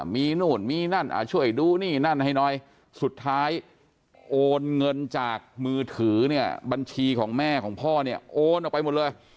มีนู่นมีนั่นช่วยดูนี่นั่นให้น้อยสุดท้ายโอนเงินจากมือถือเนี่ยบัญชีของแม่ของพ่อเนี่ยโอนออกไปหมดเลย